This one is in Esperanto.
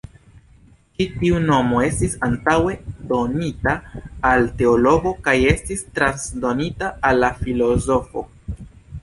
Ĉi tiu nomo estis antaŭe donita al teologo kaj estis transdonita al la filozofo.